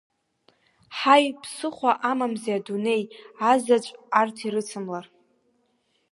Ҳаи, ԥсыхәа амамзи адунеи, азаҵә арҭ ирыцымлар!